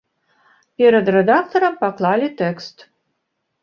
Перад рэдактарам паклалі тэкст.